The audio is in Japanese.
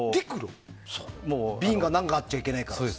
瓶が何かあっちゃいけないから。